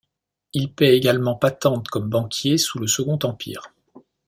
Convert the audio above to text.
Il paie également patente comme banquier sous le Second Empire.